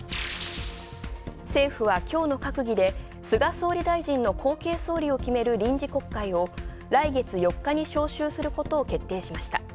政府はきょうの閣議で菅総理大臣の後継総理を決める臨時国会を来月４日に召集することを決定しました。